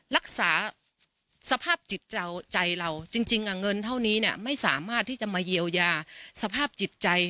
รักษาสภาพจิตใจเราจริงเงินเท่านี้ไม่สามารถที่จะมาเยียวยาสภาพจิตใจ